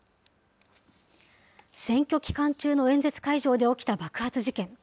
選挙期間中の演説会場で起きた爆発事件。